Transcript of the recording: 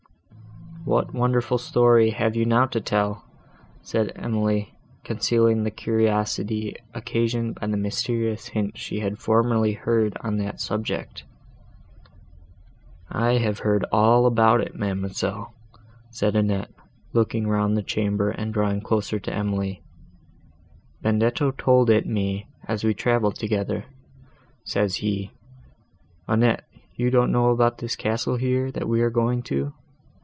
"What wonderful story have you now to tell?" said Emily, concealing the curiosity, occasioned by the mysterious hints she had formerly heard on that subject. "I have heard all about it, ma'amselle," said Annette, looking round the chamber and drawing closer to Emily; "Benedetto told it me as we travelled together: says he, 'Annette, you don't know about this castle here, that we are going to?